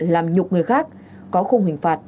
làm nhục người khác có không hình phạt